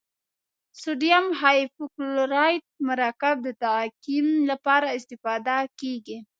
سوډیم هایپوکلورایت مرکب د تعقیم لپاره استفاده کیږي.